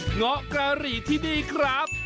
เงาะกะหรี่ที่นี่ครับ